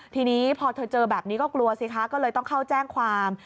ทีนี้พอเธอเจอแบบนี้ก็กลัวสิคะก็เลยต้องเข้าแจ้งความ